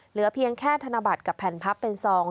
เหลือเพียงแค่ธนบัตรกับแผ่นพับเป็นซอง